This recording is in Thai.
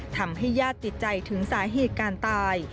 ทำให้ญาติติดใจถึงสาเหตุการตาย